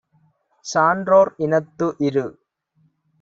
சான்றோர் இனத்து இரு.